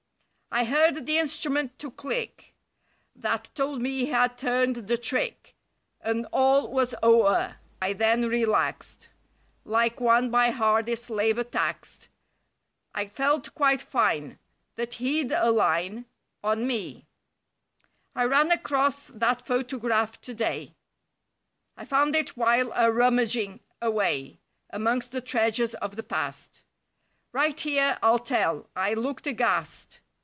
I heard the instrument to click. That told me he had turned the trick— And all was o'er. I then relaxed. Like one by hardest labor taxed. I felt quite fine That he'd a line— On me. ^^^^ I ran across that photograph today. I found it while a rummaging away Amongst the treasures of the past. Right here I'll tell, I looked aghast!